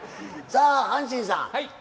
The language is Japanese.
さあ阪神さん